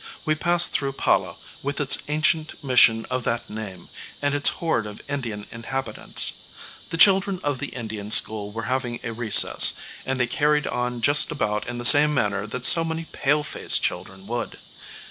We passed through Pala, with its ancient mission of that name, and its horde of Indian inhabitants. The children of the Indian school were having a recess, and they carried on just about in the same manner that so many "pale faced" children would.